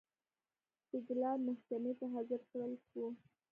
سینکلر محکمې ته حاضر کړل شو.